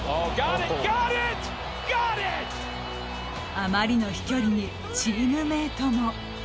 あまりの飛距離にチームメートも。